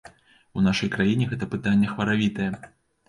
У нашай краіне гэта пытанне хваравітае.